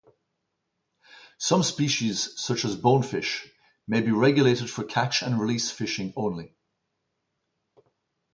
Some species such as bonefish may be regulated for catch and release fishing only.